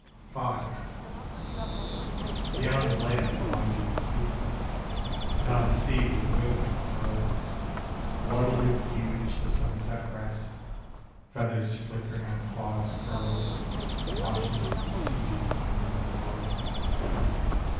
V Beyond the land there lies the sea; And on the sea with wings unfurled, Bloodily huge the sunset rests, Feathers flickering and claws curled, Watching to seize the ruined world.